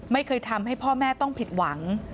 ไม่เคยทำให้พ่อแม่ต้องผิดหวัง